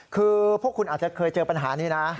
คือพวกคุณอาจจะเคยเจอปัญหานี้นะ